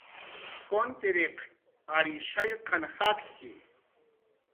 Kuntiriq ary shallqan jakki